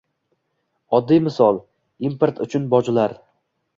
Oddiy misol – import uchun bojlar.